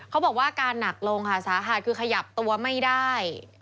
เขาบอกว่าอาการหนักลงค่ะสาหัดคือขยับตัวไม่ได้